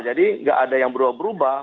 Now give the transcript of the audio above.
jadi gak ada yang berubah berubah